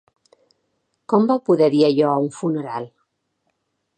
Com vau poder dir allò a un funeral?